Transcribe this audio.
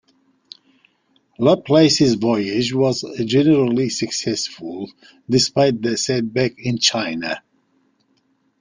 Laplace's voyage was generally successful, despite the setback in China.